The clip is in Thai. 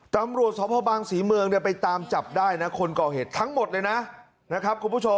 ตำรวจสอบฐะวะบังศรีเมืองไปจับได้คนก่อเหตุทั้งหมดเลยนะ